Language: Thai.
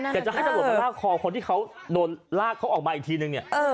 จะให้ตำรวจมาลากคอคนที่เขาโดนลากเขาออกมาอีกทีนึงเนี่ย